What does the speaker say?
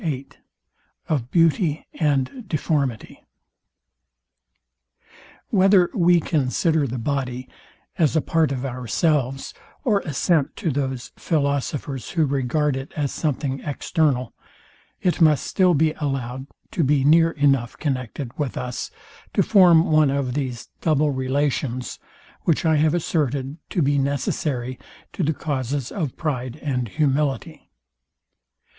VIII OF BEAUTY AND DEFORMITY Whether we consider the body as a part of ourselves, or assent to those philosophers, who regard it as something external, it must still be allowed to be near enough connected with us to form one of these double relations, which I have asserted to be necessary to the causes of pride and humility.